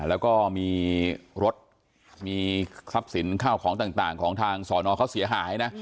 แล้วก็มีรถมีทรัพย์สินข้าวของต่างของทางสอนอเขาเสียหายนะ